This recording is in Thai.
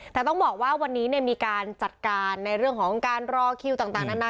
แต่ต้องบอกว่าวันนี้มีการจัดการในเรื่องของการรอคิวต่างนานา